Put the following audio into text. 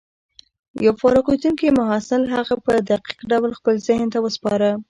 يو فارغېدونکي محصل هغه په دقيق ډول خپل ذهن ته وسپاره.